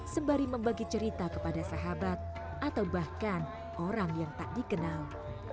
sembari membagi cerita kepada sahabat atau bahkan orang yang tak dikenal